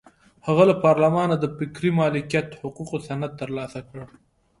هغه له پارلمانه د فکري مالکیت حقوقو سند ترلاسه کړ.